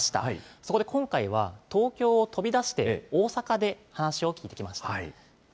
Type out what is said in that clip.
そこで今回は、東京を飛び出して、大阪で話を聞いてきました。